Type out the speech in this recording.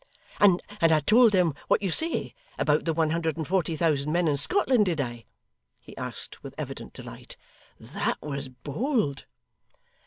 'And I told them what you say, about the one hundred and forty thousand men in Scotland, did I!' he asked with evident delight. 'That was bold.